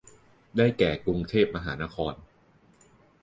ได้แก่กรุงเทพมหานคร